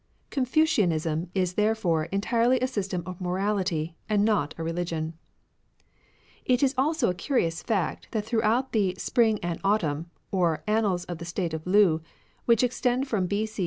Confucianism is therefore entirely a system of morality, and not a religion. It is also a curious fact that throughout the Spring and Aviumn, or Annals of the State of Lu, which extend from B.C.